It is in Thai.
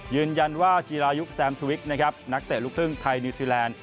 ยืนยันว่าจีรายุคแซมทวิกนะครับนักเตะลูกครึ่งไทยนิวซีแลนด์